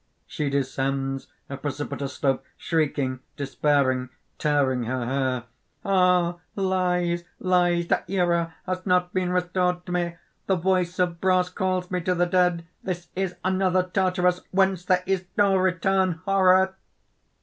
(She descends a precipitous slope shrieking, despairing, tearing her hair.) "Ah! lies, lies! Daira has not been restored to me. The voice of brass calls me to the dead. This is another Tartarus, whence there is no return! Horror!"